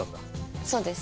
そうです。